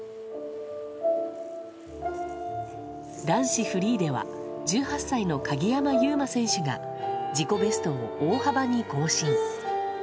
男子フリーでは、１８歳の鍵山優真選手が、自己ベストを大幅に更新。